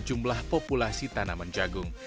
jumlah populasi tanaman jagung